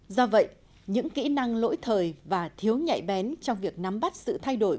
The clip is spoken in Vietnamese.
do vậy những kỹ năng lỗi thời và thiếu nhạy bén trong việc nắm bắt sự thay đổi